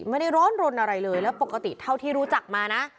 ไม่ได้ร้อนรนอะไรเลยแล้วปกติเท่าที่รู้จักมานะ